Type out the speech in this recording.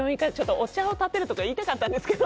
お茶をたてるとか言いたかったんですけど。